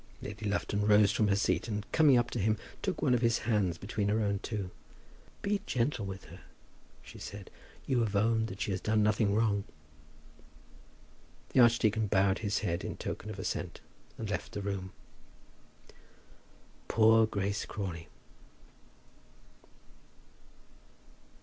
Lady Lufton rose from her seat, and coming up to him, took one of his hands between her own two. "Be gentle to her," she said. "You have owned that she has done nothing wrong." The archdeacon bowed his head in token of assent and left the room. Poor Grace Crawley!